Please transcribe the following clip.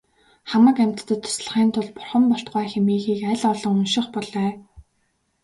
Хамаг амьтдад туслахын тулд бурхан болтугай хэмээхийг аль олон унших болой.